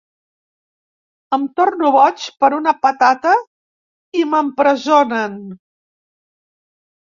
Em torno boig per una patata i m'empresonen.